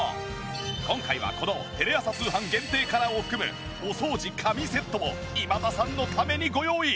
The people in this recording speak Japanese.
今回はこのテレ朝通販限定カラーを含むお掃除神セットを今田さんのためにご用意。